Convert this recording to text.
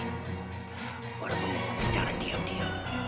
walaupun secara diam diam